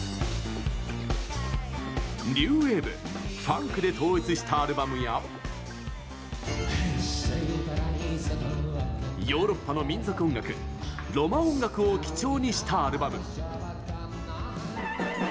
ニューウェイブ、ファンクで統一したアルバムやヨーロッパの民族音楽ロマ音楽を基調にしたアルバム。